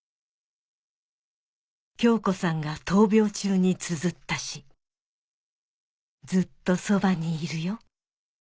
京子さんが闘病中につづった詩「ずっとそばにいるよ」